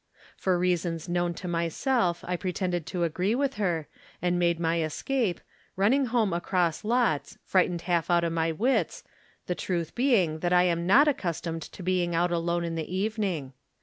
For reasons known to myself I pretended to agree with her, and made my escape, running home across lots, frightened* half out of iDj wits, the truth being that I am not accustomed to being out alone in the even ing.